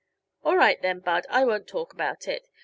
"All right then, Bud, I won't talk about it.